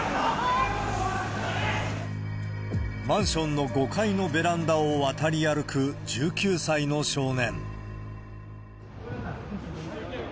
マンションの５階のベランダを渡り歩く１９歳の少年。